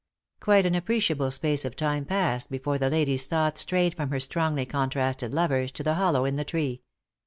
Quite an appreciable space of time passed before the lady's thoughts strayed from her strongly contrasted lovers to the hollow in the tree.